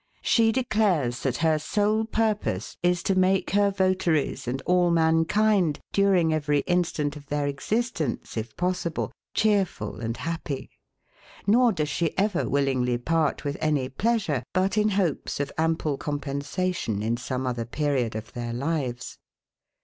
She declares that her sole purpose is to make her votaries and all mankind, during every instant of their existence, if possible, cheerful and happy; nor does she ever willingly part with any pleasure but in hopes of ample compensation in some other period of their lives.